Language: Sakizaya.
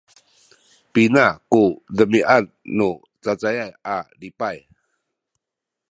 pina ku demiad nu cacayay a lipay?